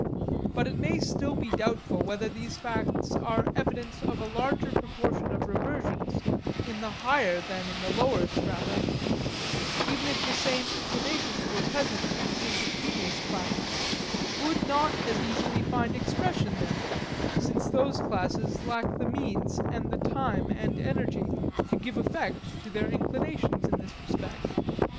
But it may still be doubtful whether these facts are evidence of a larger proportion of reversions in the higher than in the lower strata, even if the same inclinations were present in the impecunious classes, it would not as easily find expression there; since those classes lack the means and the time and energy to give effect to their inclinations in this respect.